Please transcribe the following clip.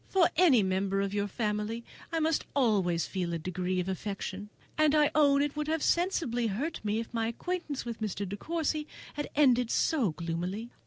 For any member of your family I must always feel a degree of affection, and I own it would have sensibly hurt me if my acquaintance with Mr. De Courcy had ended so gloomily.